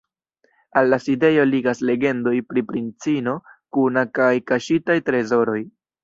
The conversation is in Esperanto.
Al la sidejo ligas legendoj pri princino Kuna kaj kaŝitaj trezoroj.